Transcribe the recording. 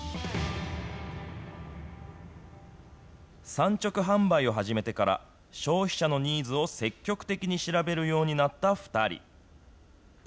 産直販売を始めてから、消費者のニーズを積極的に調べるようになった２人。